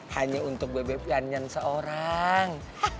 hanya untuk bebe pianian seorang